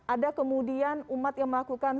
ada kemudian umat yang melakukan